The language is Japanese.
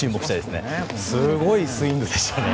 すごいスイングでしたね。